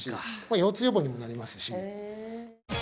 腰痛予防にもなりますしへえ